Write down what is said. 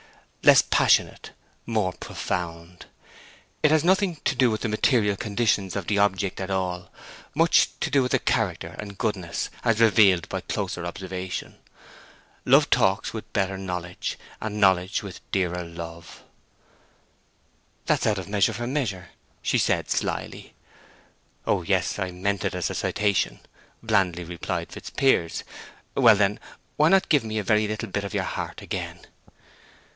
"Less passionate; more profound. It has nothing to do with the material conditions of the object at all; much to do with her character and goodness, as revealed by closer observation. 'Love talks with better knowledge, and knowledge with dearer love.'" "That's out of Measure for Measure," said she, slyly. "Oh yes—I meant it as a citation," blandly replied Fitzpiers. "Well, then, why not give me a very little bit of your heart again?"